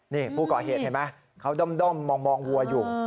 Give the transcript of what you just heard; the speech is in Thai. นี่ผู้ก่อเหตุเห็นไหมเขาด้อมมองวัวอยู่